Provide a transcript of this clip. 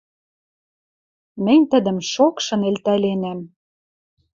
Мӹнь тӹдӹм шокшын элтӓленӓм